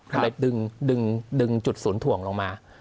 ก็เลยดึงจุดศูนย์ถ่วงลงมา